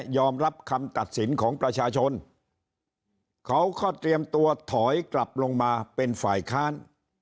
รับคำตัดสินของประชาชนเขาก็เตรียมตัวถอยกลับลงมาเป็นฝ่ายค้าน